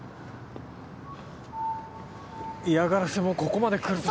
⁉嫌がらせもここまで来ると。